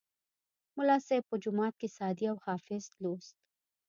ملا صیب به جومات کې سعدي او حافظ لوست.